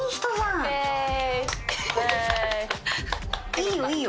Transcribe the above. いいよいいよ。